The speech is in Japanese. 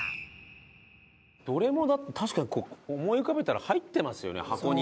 どれもだって確かにこう思い浮かべたら入ってますよね箱に。